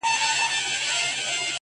• باندي اوښتي وه تر سلو اضافه کلونه,